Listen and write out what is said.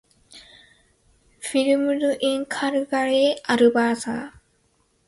Filmed in Calgary, Alberta.